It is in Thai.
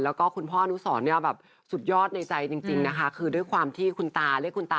แล้วก็คุณพ่อนุสอนแบบสุดยอดในใจจริงนะคะคือด้วยความที่คุณตา